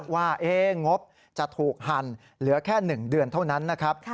งบจะถูกหั่นเหลือแค่๑เดือนเท่านั้นนะครับ